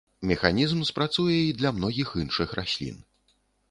Механізм спрацуе і для многіх іншых раслін.